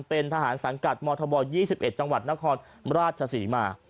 เป็นทหารสังกัดมธบ๒๑จังหวัดนครราชศรีมา